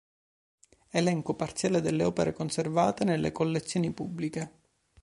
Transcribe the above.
Elenco parziale delle opere conservate nelle collezioni pubbliche.